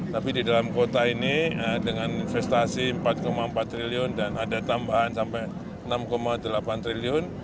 tapi di dalam kota ini dengan investasi rp empat empat triliun dan ada tambahan sampai rp enam delapan triliun